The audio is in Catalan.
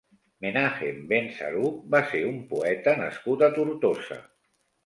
Menahem ben Saruq va ser un poeta nascut a Tortosa.